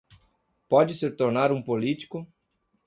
Pode se tornar um político